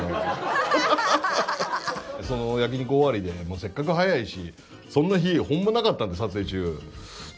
焼肉終わりでせっかく早いしそんな日ホンマなかったんで撮影中。